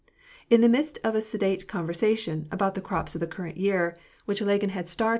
In the midst of a sedate conversation, about the crops of the current year, which 268 W^R AND PEACE.